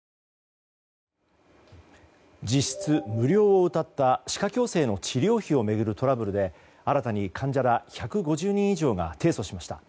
実質無料をうたった歯科矯正の治療を巡るトラブルで新たに患者ら１５０人以上が提訴しました。